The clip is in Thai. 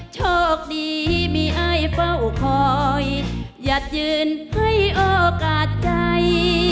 โชคดีมีอายเฝ้าคอยหยัดยืนให้โอกาสใจ